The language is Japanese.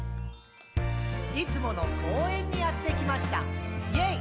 「いつもの公園にやってきました！イェイ！」